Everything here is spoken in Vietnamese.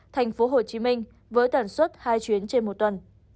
tp hcm với tuần xuất hai chuyến trên một tuần